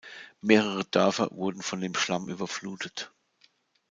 Mehrere Dörfer wurden von dem Schlamm überflutet.